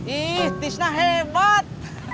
ih tisna hebat